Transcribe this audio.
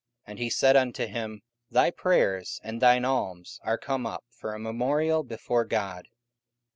And he said unto him, Thy prayers and thine alms are come up for a memorial before God.